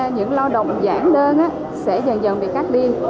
những lao động giảng đơn sẽ dần dần bị khác đi